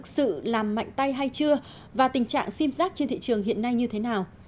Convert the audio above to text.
sự làm mạnh tay hay chưa và tình trạng sim giác trên thị trường hiện nay như thế nào